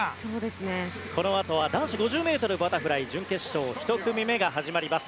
このあとは男子５０ｍバタフライ準決勝１組目が始まります。